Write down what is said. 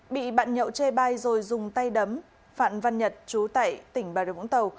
bị bạn nhậu chê bai rồi dùng tay đấm phạm văn nhật chú tại tỉnh bà rê vũng tàu